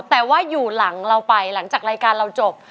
แต่ว่าอยู่หลังเราไปหลังจากรายการเราจบ